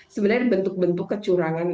sebenarnya bentuk bentuk kecurangan